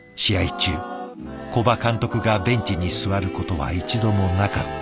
中古葉監督がベンチに座ることは一度もなかったという。